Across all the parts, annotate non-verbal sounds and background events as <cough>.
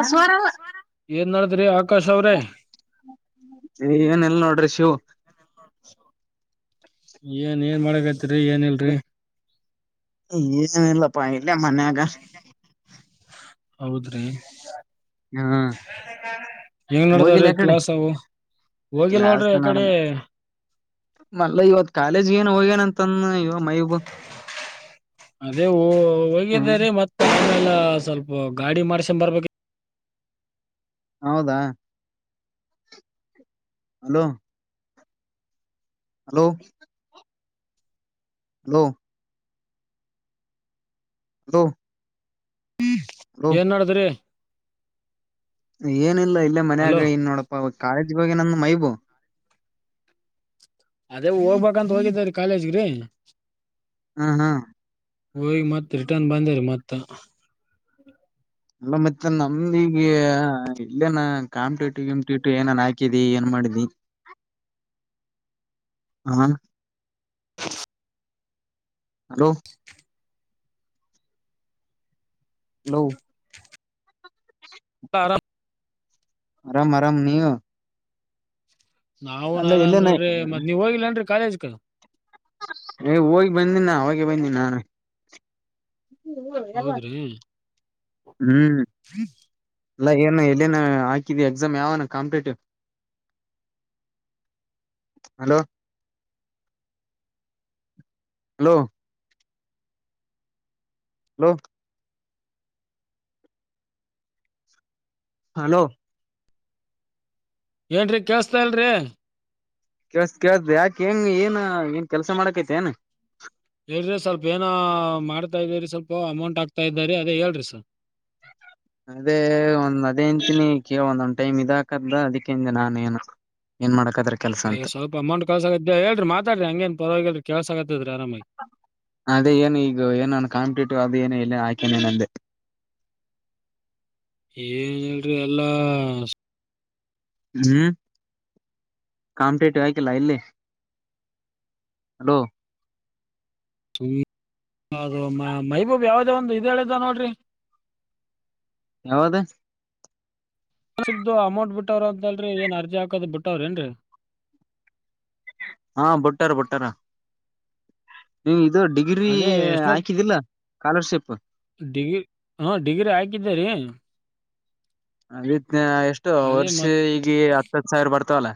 ಅಸ್ವರ ಅ್ರೀ ಆಕಾಶ್ ಅವ್ರೆ ಏನ್ಲ್ಲ ನೋಡ್ರಿ ಶಿವ ಏನ್ ಏನ್ ಮಾಡಕ್ತಿರಿ ಏನ ಇಲ್ರಿ ಏನು ಇಲ್ಲಪ್ಪ ಇಲ್ಲ ಮನ್ಯಾಗ ಹೌದ್ರಿ ಹ ಹೆಂಗ ಹೋಗಿಲ್ಲ ನಡತಾವ್ರೀ ಯಕಡೆ ಕ್ಲಾಸ್ ಅವು ಹೋಗಿಲ್ ಕ್ಲಾಸ್ ನೋಡ್ರಿ ಯ ನಡ ಕಡೆ ಮಲ್ಲ ಇವತ್ ಕಾಲೇಜ್ ಏನ್ ಹೋಗೇನ ಅಂತಂದ ಇ ಅದೇ ಹ್ಮ್ ಹೋಗಿದ್ದಾರೆ ಮತ್ತೆ ಲ್ಲ ಸ್ವಲ್ಪ ಗಾಡಿ ಮಾಡ್ಸಕೊಂಡ್ ಬರ್ಬೇಕ ಹೌದಾ ಹಲೋ ಹಲೋ ಹಲೋ ಅಲೋ ಹ್ಮ ಏನ್ ಮಾಡಡದ್ರಿ ಏನಿಲ್ಲ ಇಲ್ಲೇ ಹಲೋ ಮನ್ಯಾಗ ಇನ್ ನೋಡಪ್ಪ ಕಾಲೇಜ್ ಬಗ್ಗೆ ನಂದು ಮೈಬೂ ಅದೇ ಹೋಗ್ಬೇಕಂತ ಹೋಗಿದರಿೀ ಕಾಲೇಜ್ಗ್ರಿ ಹ್ಮ್ ಹ್ಮ್ ವೈ ಮತ್ತ ರರಿಟರ್ನ್ ಬಧೆರಿ ಮತ್ತತ್ತ ಅಲ್ಲ ಮತ್ತೆ ನಮ್ದ ಈಗ ಇಲ್ಲೇನ ಕಾಾಮಿಟು ಗಟಿಟು ಏನನ್ ಹಾಕಿದಿ ಏನ್ ಮಾಡಿದಿ ಹ ಹ ಹ ಹಲೋ ನೌ ಕಾರಣ ಆರಾಮ್ ಆರಾಮ್ ನೀವು ನಾವುನ್ ಅಲ್ಲ ಆರಾಮ್ ಎಲ್ಲನ ನಡ್ರಿ ಮತ್ ನೀವ ಹೋಗಿಲ್ಲನ್ರಿ ಕಾಲೇಜ್ ಕ ಏ ಹೋಗಿ ಬಂದ ಹೋಗಿ ಬಂದಿನ್ ನಾನು ಹೌದ್ರಿ ಹ್ಮ್ ಇಲ್ಲ ಏನು ಎಲ್ಲಿನ ಹಾಕಿದೀ ಎಕ್ಸಾಮ್ ಯಾವಾನ competitive hello hello hello hello ಏನ್ರರಿ ಕೇಸ್ತಾ ಇಲ್ರಿ ಕೇಸ ಕೇಳ್ದ್ರಿ ಯಾಕ ಹೆಂಗ ಏನ್ ಏನ್ ಕೆಲ್ಸ ಮಾಡಕೈತಿ ಏನ್ ಹೇಳ್ರಿ ಸ್ವಲ್ಪ ಏನ ಮಾಡ್ತಾ ಇದೀರಿ ಸ್ವಲ್ಪ ಅಮೌಂಟ್ ಆಗ್ತಾ ಇದ್ದಾರಿ ಅದೇ ಹೇಳ್ರಿ ಸರ್ ಹ್ಮ್ಮ್. ಅದೇ ಒಂದ್ ಅದೇಂತೀನಿ ಕ ಒಂದೊಂದ್ ಟೈಮ್ ಇದಾಕದ್ದ ಅದಿೇನ್ ನಾನ ಏನು ಏನ್ ಮಾಡ ಏ್ವಲ್ಪ ಅಮೌಂಟ್ ಕಸಾಗಗತ್ತ ಹೇಳ್ರಿ ಮಾತಾ್ರಿ ಹಂಗನ್ ಪರವಾಗಿಲ್ರಿ ಕೆಲ್ಸಗತ್ತತ್ ಅದೇ ಏನು ಈಗ ಏನು ನಾನು ಕಾಂಪಿಟೇಟಿವ್ ಅ ಏನ ಇಲ್ಲ ಹಾಕೇನೆ ನಂದೆ ಏನ್ ಹೇಳ್ರಿ ಎಲ್ಲಾ ಹ್ಮ್ ಕಂ ಪಟಗಕ ಲ ಇಲ್ಲಿ ಹಲೋ ಈ ಅದು ಮ ಮೈಬೂಬ ಯಾವ್ದೋ ಒಂದು ಇದ ಹೇಳಿದ್ದ ನೋಡ್ರಿ <inaudible> ಯಾವದ ಸಿಪ್ದು ಅಮೌಂಟ್ ಬಿಟ್ಟವ್ರ ಅಂತಲ್ರಿ ಏನ್ ಅರ್ಜಿ ಹಾಕದ್ ಬಿಟ್ಟವ್ರ ಏನ್ರರಿ ಹಾ ಬುಟ್ಟಾರ ಬುಟ್ಟಾರ ನೀವ್ ಇದು ಡಿಗ್ರಿ ಅದೇ ಎಷ್ಟನೇ ಹಾಕಿದಿಲ್ಲ ಸ್ಕಾಲರ್ಶಿಪ್ ಡಿಗ್ರಿ ಹಾ ಡಿಗ್ರಿ ಹಾಕಿದ್ದೇರಿ ವಿತ್ ಎಷ್ಟು ಅದೇ ವರ್ಷ ಮತ್ ಈಗ ಹತ್ತತ್ ಸಾವಿರ ಬರ್ತವಲ್ಲ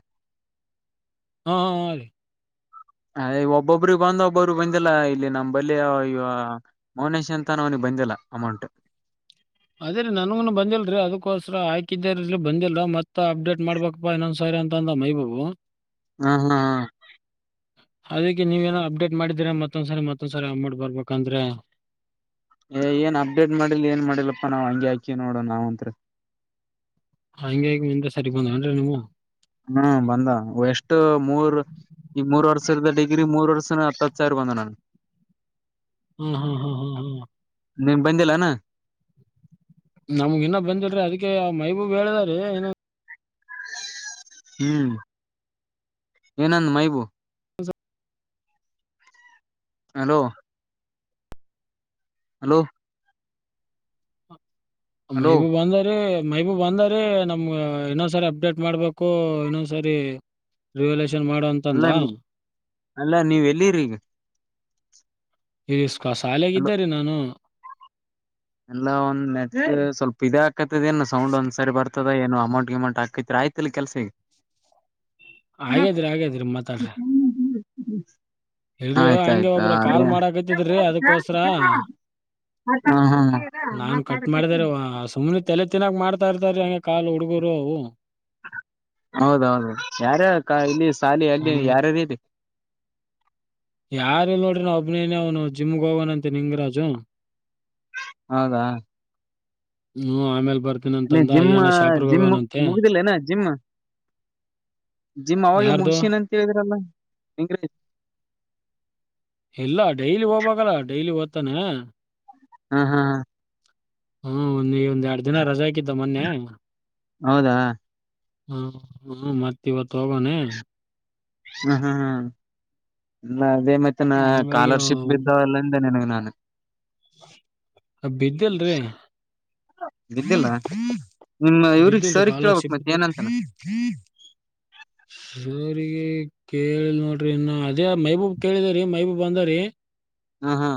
ಹಾ ಹ ಹಾ ರೀ ಏಇ ಒಬ್ಬೊಬ್ರಿಗ ಬಂದ ಒಬ್ಬರಿಗ್ ಬಂದಿಲ್ಲ ಇಲ್ಲಿ ನಮ್ಮ್ ಬಲ್ಲಿ ಈ ವ ಮೌನೇಶ್ ಅಂತ ಹಾನ್ ಅವನಿಗ್ ಬಂದ್ ಬಂದಿಲ್ಲ ಅಮೌಂಟ್ <inaudible> ಅದೇ ರೀ ನನಗುನೂ ಬಂದಿಲ್ರಿ ಅದಕೋಸ್ಕರ ಹಾಕಿದ್ದೇರಿ ಬಂದಿಲ್ಲ ಮತ್ತ ಅಪ್ಡೇಟ್ ಮಾಡ್ಬೇಕಪ್ಪ ಇನ್ನೊಂದ್ ಸಾರಿ ಅಂತ ಅಂದನಾ ಮೈಬು ಹಾ ಹಾ ಹಾ ಅದೀಕ್ಕೆ ನೀವೇನೋ ಅಪ್ಡೇಟ್ ಮಾಡಿದ್ದೀರಾ ಮತ್ತೊಂದ್ಸರಿ ಮತ್ತೊಂದ್ಸರಿ ಅಮೌಂಟ್ ಬರ್ಬೇಕಂದ್ರ ಏ ಏನ್ ಅಪ್ಡೇಟ್ ಮಾಡಿಲ್ಲ ಏನ್ ಮಾಡಿಲ್ಲಪ್ಪಾ ನಾವ್ ಹಂಗೆ ಹಾಕಿವ್ ನೋಡ್ ನಾವಂತ್ರು ಹಂಗೆ ಆಗಿ ಒಂದೆ ಸರಿ ಬಂದಾವ್ ಏನ್ರಿ ನಿಮ್ಮುವು. ಹ್ಮ ಬಂದಾವ್ ಎಷ್ಟು ಮೂರ್ ಈ ಮೂರ್ ವರ್ಷದ ಡಿಗ್ರಿ ಮೂರ್ ವರ್ಷನ ಹತ್ ಹತ್ ಸಾವ್ರ ಬಂದಾವ್ ನನ್ಗ. ಹ್ಮ್ ಹ್ಮ್ ಹ್ಮ್ ಹ್ಮ್ ಹ್ಮ್ ನಿಂಗ್ ಬಂದಿಲೇನಾ? ನಮ್ಗ ಇನ್ನ ಬಂದಿಲ್ರಿ ಅದಿಕ್ಕೆ ಮೈಬೂಬಿ ಹೇಳದ ರಿ, ಏನೊ ಹ್ಮ್ ಏನಂದ ಮೈಬೂ ಹಲೋ ಹಲೋ ಹಲೋ ಮೈಬುಬ ಅಂದರಿ ಮೈಬೂಬ ಅಂದರಿ ನಮ್ಗ ಇನ್ನೊಂದ್ಸರಿ ಅಪ್ಡೇಟ್ ಮಾಡ್ಬೇಕು ಇನ್ನೊಂದ್ಸರಿ ರಿವೇಲೇಶ ಜನ್ ಮಾಡು ಅಂತ್ ಅಲ್ಲ ಅಂದಾ ಅಲ್ಲಾ ನೀವ್ ಎಲ್ಲಿರಿ ಈಗ ಇಸ್ಕ ಸಾಲ್ಯಾಗ್ ಇದ್ದಾರಿ ನಾನು. ಎಲ್ಲಾ ಒಂದ್ ನೆಟ್ ಸ್ವಲ್ಪ ಇದಾಕತದೇನ್ ಸೌಂಡ್ ಒಂದ್ಸರಿ ಬರ್ತ ಆತದ ಏನೊ ಅಮೌಂಟ್ ಗಿಮೌಂಟ್ ಹಾಕಿತ್ರಿ ಆಯಿತಿಲ್ ಕೆಲ್ಸಿಗ. ಹ್ಮ್ ಹಾಗೇದ್ರಿ ಹಾಗೇದ್ರಿ ಮಾತಾಡ್ರಿ ಹ್ಮಂ ಇಲ್ರಿ ಹಂಗೆ ಒಬ್ರ ಕಾಲ್ ಮಾಡಕತಿದ್ರಿ ಅದಕ್ಕೋಸ್ಕರ ನಾನ್ ಕಟ್ ಮಾತಾಡಕೈತಿ ಮಾಡ್ದಾರಿ, ಸುಮ್ಮನೆ ತಲೆ ತಿನ್ನಾಕ್ ಮಾಡ್ತಾ ಇರ್ತಾರೀ ಹಂಗೆ ಕಾಲು ಹುಡುಗರು ಅವು. ಹೌದ ಹೌದು ಯಾರರ್ ಇಲ್ಲಿ ಸಾಲಿ ಅಲ್ಲಿ ಹ್ಮ್ ಯಾರಾರ ಇದೀ ಯಾರಿಲ್ ನೋಡ್ರಿ ನಾ ಒಬ್ಬನೆನೆ ಅವ್ನು ಜಿಮ್ ಹೊಗೌವನಂತೆ ನಿಂಗರಾಜು. ಹೌದಾ ಹ್ಮ ಆಮೇಲ್ ನಿ ಬರ್ತೀನಂತಂದ ಜಿಮ್ ಆ ಅಯ್ಯಣ್ಣ ಶಾಪುರ್ಗ್ ಜಿಮ್ ಮು ಹೋಗೋನಂತೆ ಮುಗಿದೀಲ್ಲ ಏನ ಜಿಮ್? ಜಿಮ್ ಅವಾಗೆ ಯಾರ್ದು ಮುಗಿಸಿನ್ ಅಂತ್ ಹೇಳಿದ್ರಲ್ಲ ನಿಂಗರಾಜ್. ಇಲ್ಲ ಡೈಲಿ ಹೋಗ್ಬೇಕಲ್ಲಾ ಡೈಲಿ ಹೊತಾನಾ ಹಾ ಹಾ ಹಾ ಹ್ಮ ಒಂದ್ ಈ ಒಂದ್ ಎರಡ್ ದಿನ ರಜೆ ಹಾಕಿದ್ದ ಮೊನ್ನೆ. ಹೌದಾ ಹಾ ಹ್ಮ ಮತ್ತ ಇವತ್ತು ಹೋಗೋನೆ ಹ್ಮ್ ಹ್ಮ್ ಹ್ಮ್ ಇಲ್ಲ ಅದೆ ಮತ್ತೆ ನಾ ಹಂಗಾಗಿ ಸ್ಕಾಲರ್ಶಿಪ್ ಬಿದ್ದಾವಲ್ಲ ಅಂತ್ ನಿನಗ ನಾನ ಅ ಬಿದ್ದಿಲ್ರಿ ಬಿದ್ದಿಲ್ಲಾ. ಬಿದ್ದಲ್ರಿ ಸ್ಕಾಲರ್ಶಿಪ್ ಬಿದ್ದ ಏನಂತಾನ ಸ ಗೆ ಕೇಳಿ ನೋಡ್ರಿ ಇನ್ನು ಅದೇ ಮೈಬೂಬ್ ಕೇಳಿದಾರೀ ಮೈಬೂಬ್ ಅಂದಾರೀ ಹಾ ಹಾ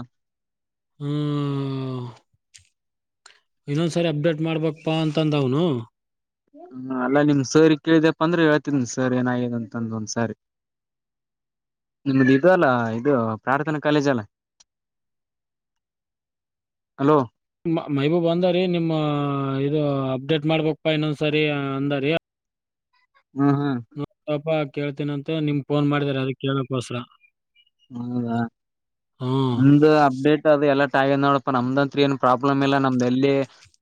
ಹ್ಮ ಇನ್ನೊಂದ್ಸರಿ ಅಪ್ಡೇಟ್ ಮಾಡ್ಬಕ್ಪಾ ಅಂತಂದ್ದ ಅವ್ನು. ಹ್ಮ ಅಲ್ಲಾ ನಿಮ್ ಸರಿ ಕೇಳಿದ್ಯಪ್ಪ ಅಂದ್ರೆ ಹೇಳ್ತನಿ ಸರಿ ಏನಾಗಿದೆ ಅಂತಂದ ಒಂದ್ ಸರಿ. ನಿಮ್ದ ಇದು ಅಲ್ಲ ಇದು ಪ್ರಾರ್ಥನಾ ಕಾಲೇಜ್ ಅಲ್ಲ. ಹಲೋ ಮಹಬೂಬ್ ಅಂದ ರೀ ನಿಮ್ಮ ಇದು ಅಪ್ಡೇಟ್ ಮಾಡ್ಬೇಕಪ್ಪಾ ಇನ್ನೊಂದ್ ಸರಿ ಅಂದಾರಿ. ಹ್ಮ ಹಾ ಕೇಳ್ತೀನ ಅಂತ ನಿಮ್ ಫೋನ್ ಮಾಡಾರೆ ಅದಕ್ಕೆ ಕೇಳೋಕ್ಕೋಸ್ರ. ಹೌದಾ ಹ್ಮ್ ಒಂದು ಅಪ್ಡೇಟ್ ಅದು ಎಲ್ಲ ಹಾಗ ನೋಡಪ್ಪ ನಮ್ದಂತ್ ಏ ಪ್ರಾಬ್ಲಮ ಇ ನಮ್ದೆಲ್ಲಿ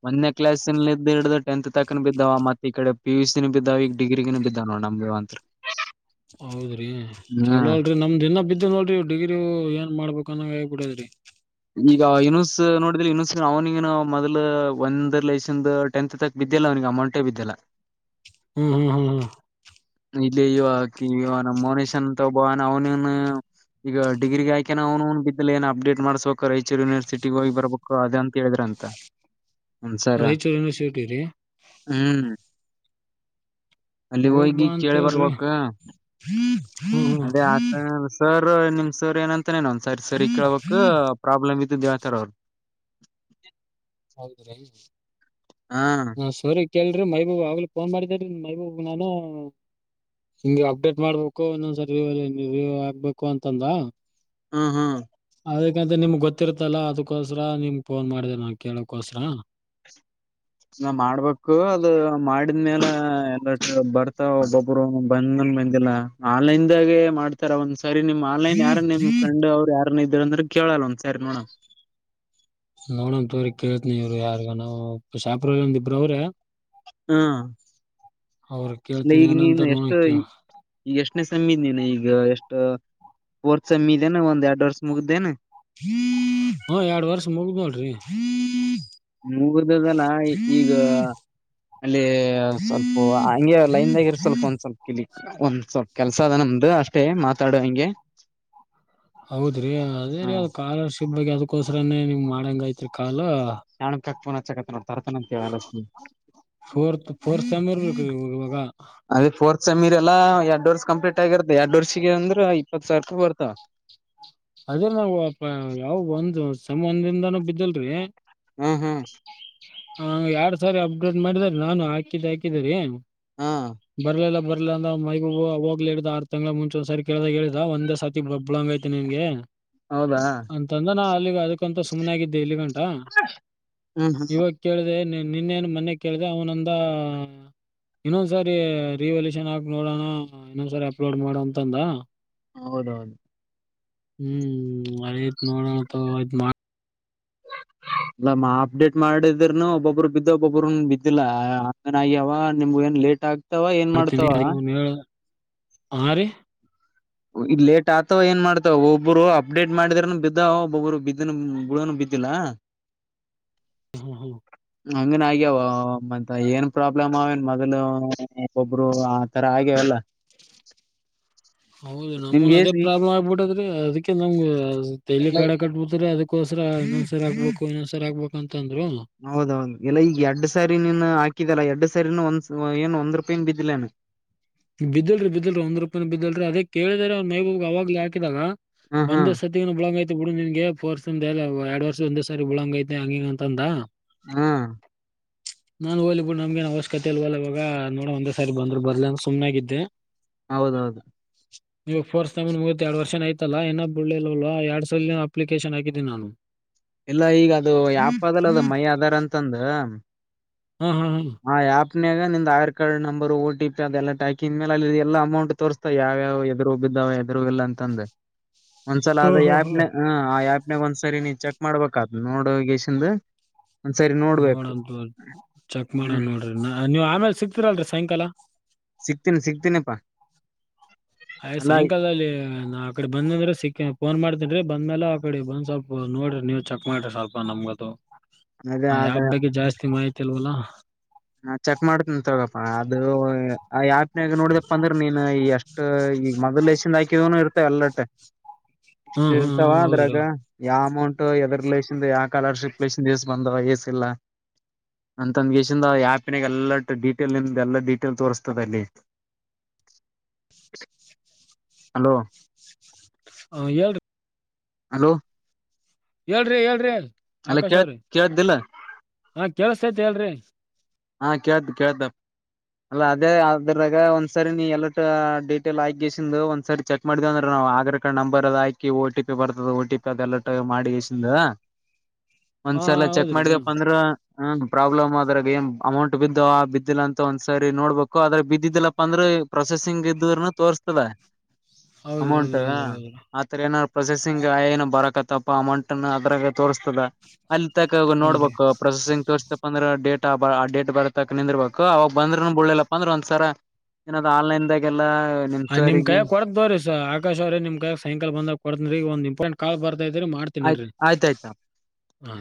ಒಂದನೇ ಕ್ಲಾಸಿಂದ ಹಿಡಿದು ಟೆಂತ್ ತಕನ ವ ಮತ್ತತ್ ಈ ಕಡೆ ಪಿ ಯುಸ ನ ಬಿದ್ದಾವ ಈಗ ಡಿಗ್ರಿಗ ಬಿದ್ದಾವ ನೋಡ ನಮಗೆ ಮಾತ್ರ. ಹೌದ್ರಿ ಚಲೋ ಅಲ್ರಿ ನಮ್ದ ದಿನ ಬಿದ್ದ ಇ ನೋಡ್ರಿ ಡಿಗ್ರಿ ಏನ್ ಮಾಡ್ಬೇಕು ಅನ್ನಂಗ ಹೇಗ್ಬ ಬಿಡದ್ರಿ ಈಗ ಇನೂಸ್ ನೋಡಿದ್ರಿ ಇನೂಸ್ ಅವ್ನಿಗ ಮೊದಲು ಒಂದ್ ಲೆಷನ್ ಟೆಂತ್ ತಕ್ ಬಿದ್ಯಲ್ಲ. ನಿಗೆ ಅಮೌಂಟೇ ಬಿದ್ದಲ್ಲ. ಹ್ಮ್ ಹ್ಮ್ ಹ್ಮ್ ಹ್ಮ ಇಲ್ಲ ಇವಾಕಿ ಇವ ನ ಮೋನೇಶ್ನಂತ ಭನ್ ಅವನನು ಈಗ ಡಿಗ್ರಿಗ ಆಯಕ ನ ಅವನುನ್ ಬಿದ್ದೆ ಏನ ಅಪ್ಡೇಟ್ ಮಾಡಸ್ಬೇಕು ರಾಯಚೂರು ಯೂನಿವರ್ಿಟಿಿಗೆ ಹೋಗಿ ಬರ್ಬೇಕು ಅದ ಅಂತ ಹೇಳ್ರ ಅಂತ ರೈಚೂರಿನ್ನು ಶೇಟಿ ರೀ ಹ್ಮ್ ಅಲ್ಲಿ ಹೋಗಿ ಹೋಗ್ಬಾ ಕೇಳಿ ಅಂತಲ್ರಿಿ ಬರ್ಬೇಕ ಅದೇ ಆ ಸರ್ ನಿಮ್ ಸರ್ ಏನಂತಾನೇನ ಒಂದ ಸರಿ ಸರಿ ಕೇಳ್ಬಕ್ ಪ್ರಾಬ್ಲಮ್ ಇದ್ದ್ದೇಳ್ತಡ ಅವ್ರರು ಹೌದ್ರಿ ಹಾ ನ ಸೋರಿ ಕಲ್್ರಿ ಮೈಬೂಬು ಆಗ್ಲ ಫೋನ್ ಮಾಡಿದ್ರರಿ ಮೈಬೂಬು ನಾನು ಹಿಂಗೆ ಅಪ್ಡೇಟ್ ಮಾಡ್ಬೇಕು ಇನ್ನೊಂದ್ಸರ್ ವ್ಯೂ ಅಲ್ಲಿ ರಿವ್ಯೂ ಆಗ್ಬೇಕು ಅಂತಂದ ಹ್ಮ್ ಹ್ಮ್ ಅದಕ್ಕಂತ್ರೆ ನಿಮ್ಗ್ ಗೊತ್ತಿರ್ತ್ತಲ್ಲ ಅದಕ್ಕೋಸ್ರ ನಿಮ್ಗೆ ಫೋನ್ ಮಾಡಿದೆ ನಾ ಕೇಳಕೋಸ್ರ ನಾ ಮಾಡ್ಬೇಕು ಅದು ಮಾಡಿದ್್ಮೇಲೆ ಎಲ್ಲ ಬರ್ತಾವ ಒಬ್ಬೊಬ್ರು ಬಂದನ್ ಬಂದಿಲ್ಲ ಆನ್ಲೈನ್ದಾಗೆ ಮಾಡ್ತಾರ ಒಂದಸ ಸರಿ ನಿಮ್ ಆನ್ಲೈನ್ ಯಾರ ನಿಮ್ ಫ್ರೆಂಡ್ ಅವ್ರು ಯಾರ ಇದ್ರ ಅಂದ್ರೆ ಕೇಳಲ್ಲ ಒಂದ್ ಸರಿ ನೋಡಮ್ ನೋಡಣ ತೋ್ರ ಕೇಳ್ತನಿ ಇವ್ರು ಯಾರ್ಗ ನಾವವು ಶಾಪ್ರ ಒಂದ ಇಬ್ರ ಅವ್ರೆ ಹಾ ಅವ್ರ ಅಲ್ಲ ಕೇಳ್ತೀನಿ ಈಗ ನೀನು ಏನಂತಾರ ನೋಡ ಎಷ್ಟು ಕೇಳ ಈ ಈಗ ಎಷ್ಟು ಪನ ಸಮ್ಮಿ ಇದೇನೆ ಈಗ ಎಷ್ಟು ರ್ ಸಮಮ್ಮಿ ಇದೇನ ಒಂದ್ ಎರಡು ವರ್ಷ ಮುಗ್ದೇನೆ ಹ್ಮ್ ಮೂಗರ್ದ್ದಲ್ಲ ಈಗ ಅಲ್ಲಿ ಸ್ವಲ್ಪ ಹಂಗೆ ಲೈನ್ದಾಗ ಇರು ಸ್ವಲ್ಪ ಒಂದ್ ಸ್ವಲ್ಪ ಕಿಲಿಕ್ ಒಂದ್ ಸ್ವಲ್ಪ ಕೆಲ್ಸ ಅದ ನಮ್ದು ಅಷ್ಟೇ ಮಾತಾಡುುವ ಹಿಂಗೆ ಹೌದ್ರಿ ಅದೇ ರೀ ಅ್ ಸ್ಕಾಲರ್ಶಿಪ್ ಬಗ್ಗೆ ಅದಕೋಸ್ರನೇ ನೀಮ್ ಮಾಡಂಗಐತ್ರಿ ಅಲ್ಲ ಪನ ಚ ಕತನೋ ತರತನಂತಾಲ ಫೋರ್ತ್ ಫೋರ್ತ್ ಸೆಮ್ ಇರ್ಬೇಕ್ರಿ ಇವಾಗ ಅದೇ ಫೋರ್ತ್ ಸಮಮೀರ್ ಎಲ್ಲಾ ಎರಡ್ ವರ್ಷ ಕಂಪ್ಲೀಟ್ ಆಗಿರ್ತ್ತ ಎರಡ್ ವರ್ಷಗೆ ಅಂದ್ರ ಇಪ್ಪತ್ ಸಾವಿರ ರೂಪಿ ಬರ್ತವಾವ ಅದೇ ನಾವು ಯಾವ ಒಂದು ಸಮನ್ದಿಂದಾನೂ ಬಿದ್ದಲ್ರಿ ಹ್ಮ್ ಹ್ಮ್ ಹ ಎರಡ್ ಸಾರಿ ಅಪ್ಡೇಟ್ ಮಾಡಿದಾರ ನಾನು ಹಾಕಿದ್ದ ಹಾಕಿದ್ರ ಹಾ ಬರ್ಲಿಲ್ಲ ಬ ಇಲ್ಲ ಅಂದ ಮೈಗೂಬ ಹೋಗ್ಲಿ್ದ ಆರ್ ತಿಂಗಗಳಳ ಮುಂಚ ಒಂದ ಸರಿ ಕೇಳ್ದಾಗ ಹೇಳಿದ ಒಂದೇ ಸರ್ತಿ ಬಬ್ಳಂಗ ಐತಿ ನಿನ್ಗೆ ಹೌದಾ ಅಂತಂದ್ರ ನಾ ಅಲ್ಲಿಗೆ ಅದಕ್ಕಂತ ಸುಮ್ಮ್ನೆ ಆಗಿದ್ದೆ ಇಲ್ಲಿ ಗಂಟ ಹ್ಮ್ ಹ್ಮ್ ಇವಾಗ ಕೇಳ್ದೆ ನಿನ್ನೇನು ಮೊನ್ನೆ ಕೇಳ್ದ ಅವ್ನಂದ ಇನ್ನೊಂದ್ಸರಿ ರಿವಲ್ಯೂಷನ್ ಆಕ್ ನೋಡೋಣ ಇನ್ನೊಂದ್ಸರಿ ಅಪ್ಲೋಡ್ ಮಾಡೋ ಅಂತಂದ ಹೌದೌದು ಹ್ಮ್ ಅೇತ್ ನೋಡೋಣ ಹ ಇಲ್ಲ ಮಾ ಅಪ್ಡೇಟ್ ಮಾಡಿದ್ರನು ಒಬ್ಬೊಬ್ಬರು ಬಿದ್ದು ಒಬ್ಬೊಬ್ಬ್ರ ಬಿದ್ದಿಲ್ಲ ಅಂಗನ ಆಗ್ಯವ ನಿಮ್ಗ ಏನ್ ಲೇಟ್ ಆಗ್ತಾವ ಏನ್ ಮಾಡ್ತಾವ ಆಾರೆ ಇ ಲೇಟ್ ಆಗ್ತವ ಏನ್ ಮಾಡ್ತವ ಒಬ್ಬರು ಅಪ್ಡೇಟ್ ಮಾಡಿದಾರನು ಬಿದ್ದ ಒಬ್ಬೊಬ್ಬರು ಬಿದ್ದನ್ ಬುಡನು ಬ ಿಲ್ಲಾ ಹಾ ಹಾ ಹಂಗನ್ ಆಗ್ಯಾವ ಮ ಏನ್ ಪ್ರಾಬ್ಲಮ್ ಅವನ್ ಮೊದಲು ಒಬ್ರು ಆತರ ಆಗ್ಯವ ಲ್ಲ <unintelligible> ಹೌದು ನಮನ್ ಅದೇ ಪ್ರಾಬ್ಲಮ್ ಆಗ್ಬಿಟ್ಟದ್ರಿ ಅದಕ್ಕೆ ನಮ್ ತೈಲಿ ಎಲ್ಲ ಕಾಡ ಕಟ್ಬಿತ್ರರಿ ಅದ ಕೋಕರ ಇನ್ನೊಂದಸರಿ ಆಗ್ಬೇಕು ಇನ್ನೊಂದ್ಸರ ಆಗ್ಬೇಕ ಅಂತ ಹೌದೌದು ಎಲ್ಲ ಈಗ ಎರಡ್ ಸಾರಿ ನೀನ್ ಹಾಕಿದಲ್ಲಾ ಎರಡ್ಡು ಸ ಸರಿ ಒಂದ ಏನು ಒಂದ್ ರೂಪಾಯನ್ ಬಿದ್ದಿಲ ಬಿದ್ದಿಲ್ರಿ ಬಿದ್ದಿಲ್ರಿ ಒಂದ್ ರೂಪಾಯಿ ಬಿದಿಲ್ರಿ ಅದೇ ಕೇಳಿದರೆ ಅವ್ ಮೈಬೂಗ್ ಅವವಾಗ್ ಹಾಕಿದಾಗ ಹ ಹಾ ಒಂದ ಸತಿ ಬ್ಲಾಕ್ ಆಯ್ತು ಬಿಡು ನಿನ್ಗೆರ್ ಎ ಎರಡ್ ವರ್ಷ ಒಂದ್ ಸಾರಿ ಬಳಂಗ ಐತೆ ಹಂಗಂಗ ಅಂತ ಅಂದ ಹ್ಮ್ ನಾನ್ ಹಓಲ್ಬಡ್ ನಮ್ಗನ್ ಅವಶ್ಯಕತೆ ಇಲ್ ಹೋಲವಾಗ ನೋಡ ಒಂದೇ ಸಾರಿ ಬಂದ್ರು ಬದಲ ಅಂದ ಸುಮ್ಮನೆನಾಗಿದ್ದೆ ಹೌದೌದು ಇವಾಗ ಕೋರ್ಸ್ ತಮ್ ಮೂವತ್ ಎರ ವರ್ನ ಆಐತಲ್ಲಾಏನ ಬಿಳ್ಳಿಲ್ ಎರಡ್ ಸಲ ಅಪ್ಲಿಕೇಶನ್ ಹಾಕಿದ್ದನಿ ನಾನು ಎಲ್ಲಾ ಈಗ ಅದು ಯಾಪ ಅದಲ್ಲ ಅದು ಮೈ ಅದಾರ ಅಂತಂದ ಹ್ಮ್ ಹ್ಮ್ ಹ್ಮ್ ನಿಮ್ Aadhaar card number T P ಅದೆಲ್ಲಟಾಕಿ ಮೇಲೆ ಅಲ್ಲಿ ಎಲ್ಲ ಅಮೌಂಟ್ ತೋರ್ತಾ ಯಾವದು್ರು ಇದಾವ ಎದರುಗಲ್ಲ ಅಂತಂದೆ ಒಂದ್ಸಲ ಅದ ಹಾ ಆಪ್ನ ಹ ಆ ಆ್ಯಪ್ನಾಗ ಒಂದ್ಸರಿ ನೀ ಚೆಕ್ ಮಾಡ್ಬೇಕತ್ ನೋಡು ಗೇಶಂದು ಒಂದ್ ಸರಿ ನೋಡ್ಬೇಕು ನೋಡಂ ತೋರಿ ಚೆಕ್ ಮಾಡಣ ಹ್ಮ್ ನೋಡ್ರಿ ನೀವ್ ಆಮೇಲೆ ಸಿಕ್ತಿೀರಲ್ರಿ ಸಾಯಂಕಾಲ ಸಿಗ್ತೀನಿ ಸಿಗ್ತೀನಪ್ಪಾ ಆಯ್ ಸಾಯಂಕಾಲದಲ್ಲಿ ನಾ ಆ ಕಡೆ ಬಂದಂದ್ರೆ ಸಿಕ್ಕ ಫೋನ್ ಮಾಡ್ ಬಂದಮೇಲೆ ಆ ಕಡೆ ಬಂದ್ ಸ್ವಲ್ಪ ನೋಡ್ರಿ ನೀವ್ ಚೆಕ್ ಮಾಡ್ರಿ ಸ್ವಲ್ಪ ನಮ್ಗದು ಅದ ಹ ಅದ ಯಾವ ಬಗ್ಗೆ ಜಾಸ್ತಿ ಮಾಹಿತಿ ಅಲ್ವಲಾ ಹಾ ಚೆಕ್ ಮಾಡ್ತ ತಗಪ್ಪ ಅದು ಯಾತ್ನಾಗ ನೋಡಿದಪ್ಪ ಅಂದ್ರ ನೀನ್ ಎಷ್ಟು ಈಗ ಮೊದಲ್ ಲಸಿಂದ ಹಾಕಿದ ಅಲ್ಲಟೆ ಇಷ್ಟ ಹ್ಮ್ ಹ್ಮ್ ಇರ್ತಾವ ಹ್ಮ್ ಹೌದ್ರಿ ಅದ್ರಾಗ ಯ ಅಮೌಂಟ್ ಯಡೂರ್ ಆಯಿತೇ ಬಂದ ಅಂತಂದ ಯಾಪ್ನಾಗ ಎಲ್ಲ ಡೀಟೇಲ್ಂದ ಎಲ್ಲ ಡೀಟೇಲ್ ತೋರ್ರಿಸತದೆ ಅಲ್ಲಿ ಹಲೋ ಹ ಹೇಳಿ ಹಲೋ ಹೇಳ್ರಿ ಹೇಳ್ರಿ ಅಲ್ಲ ಆಕಾಶ ಕೇಳ್ ಅವ್ರಿ ಕೇಳ್ದಿಲ್ಲ ಹಾ ಕೆಲ್ಸೈತ್ ಹೇಳ್ರಿ ಹಾ ಕ್ದು ಕೇಳ್ತ ಅಲ್ಲ ಅದೇ ಅದ್ರಾಗ ಒಂದ್ಸರಿ ನೀ ಎಲ್ಲ ಡೀಟೇಲ್ ಆಗಸಂದು ಒಂದ್ಸರಿ ಚೆಕ್ ಮಾಡ್ದ ಅಂದ್ರ ಆಗ್ರ ಕಾರ್ಡ್ ನಂಬರ್ ಅ ಹಾಕಿ ಟಿ ಪಿ ಬರ್ತದ ಓ ಟಿ ಪಿ ಅದೆಲ್ಲ ಮಾಡಿಿಂದ ಹಾ ಒಂದ್ಸಲ ಚೆಕ್ ಹೌದ್ರಿ ಹ್ಮ್ ಮಾಡಿದಪ್ಪ ಅಂದ್ರ ಹ್ಮ ಪ್ರಾಬ್ಲಮ್ ಆದದ್ರಾಗ ಏನ್ ಅಮೌಂಟ್ ಬಿದ್ದ ಬಿದ್ದಿಲ್ಲ ಅಂತ ಒಂದ್ಸರಿ ನೋಡ್ಬೇಕು ಆದ್ರೆ ಬಿದ್ದಿದ್ದಿಲ್ಲಪ್ಪಾ ಅಂದ್ರೆ ಪ್ರೊಸೆಸಿಂಗ್ ಇದ ತೋರ್ ತದ ಹೌದ್ರಿ ಹೌದ್ರಿ ಅಮೌಂಟ್ ಹೌದ್ರಿ ಹೌದ್ರಿ ಆತರ ಏನ ಪ್ರೊಸೆಸಿಂಗ್ ಏ ಬರಕತ್ತಪ್ಪ ಅಮೌಂಟ್ ಅ್ರಾಗ ತೋರಿಸ ತ ಅಲ್ಲಿ ತಕ ಹ್ಞೂ ರೀ ನೋಡ್ಬೇಕು ಪ್ರೊಸೆಸಿಂಗ್ ತರಬೇಕು ಅಂದ್ರೆಡೇ ಆ ಡೇಟ್ ಬರತ್ತಕ್ ನಿಂದರ್ಬೇಕು ಅವಾಗ ಬಂದ್ರರು ಬಳ್ಳಲಪ್ಪಾ ಅಂದ್ರೆ ಒಂದ್ಸರ ಏನ್ ಆನ್ಲೈನ್ದಾಗೆಲ್ಲಾ ಹ ನಿಮ್ ಕಾಯಾಗ ಕೊಡದ ಬೋ್ರಿ ಸ ಆಕಾಶ್ ಅವ್ರ ನಿಮ್ ಕಾಯಾಗ ಸಾಯಂಕ ಬಂದಾಗ ಕೊಡ್ರಗ ಒಂದ ಇಂಪಾರ್ಟೆಟ್ ಕಾಲ್ ಬರ್ ಇದ್ರ ಆಯ್ತ ಮಾಡ್ತೀನಿರಿ ಆಯ್ತಾಯ್ತಾ ಹಾ